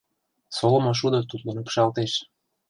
Солымо шудо тутлын ӱпшалтеш.